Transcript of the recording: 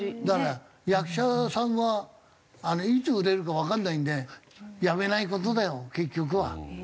だから役者さんはいつ売れるかわかんないんでやめない事だよ結局は。